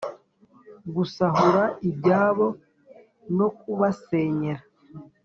gusahura ibyabo no kubasenyera